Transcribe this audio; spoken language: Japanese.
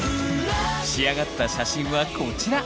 仕上がった写真はこちら！